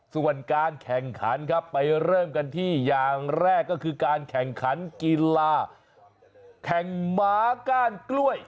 ส่วนการแข่งขันครับไปเริ่มกันที่อย่างแรกก็คือการแข่งขันกีฬาแข่งหมาก้านกล้วย